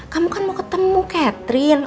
kamu kan mau ketemu catherine